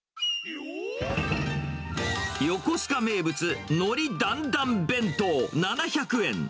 横須賀名物、海苔だんだん弁当７００円。